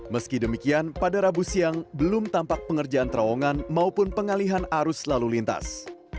meski demikian pada rabu siang belum tampak pengerjaan terowongan maupun pengalihan arus lalu lintas